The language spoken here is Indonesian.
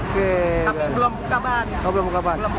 tapi belum buka ban